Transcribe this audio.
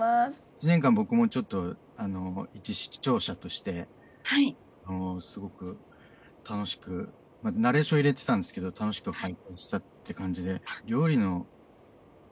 １年間僕もちょっと一視聴者としてすごく楽しくナレーション入れてたんですけど楽しく拝見したって感じで。